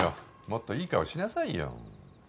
もっといい顔しなさいよ。